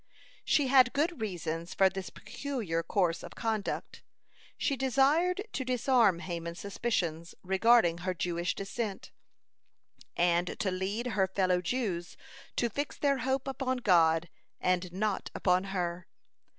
She had good reasons for this peculiar course of conduct. She desired to disarm Haman's suspicions regarding her Jewish descent, and to lead her fellow Jews to fix their hope upon God and not upon her.